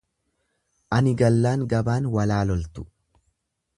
Ani gallaan gabaan walaaloltu.